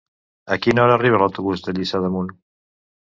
A quina hora arriba l'autobús de Lliçà d'Amunt?